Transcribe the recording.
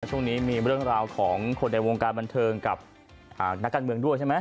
ช่วงนี้มีเรื่องราวของคนในวงการบันเทิงกับนักการเมืองด้วยใช่ไหม